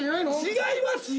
違いますよ。